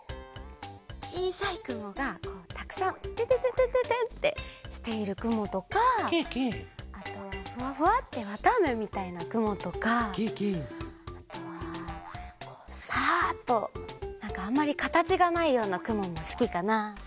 ちいさいくもがこうたくさんてんてんてんてんてんってしているくもとかあとフワフワッてわたあめみたいなくもとかあとはこうサッとなんかあんまりかたちがないようなくももすきかな。